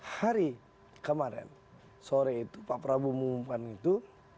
hari kemarin sore itu pak prabowo mengumumkan itu